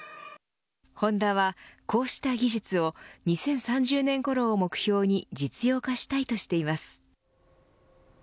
ホンダはこうした技術を２０３０年ごろを目標に実用化したいとしています。